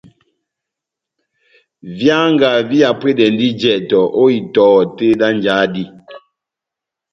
Výanga vihapwedɛndi jɛtɔ ó itɔhɔ tɛ́h dá njáhá dí.